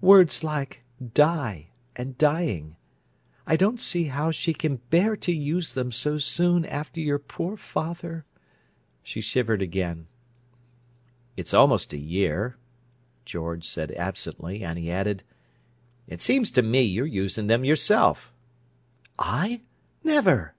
"Words like 'die' and 'dying.' I don't see how she can bear to use them so soon after your poor father—" She shivered again. "It's almost a year," George said absently, and he added: "It seems to me you're using them yourself." "I? Never!"